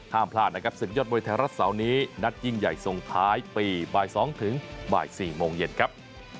ห้ามพลาดนะครับสุขยอดบริษัทรัศน์เสาร์นี้นัดยิ่งใหญ่ส่งท้ายปีบ่ายสองถึงบ่ายสี่โมงเย็นครับ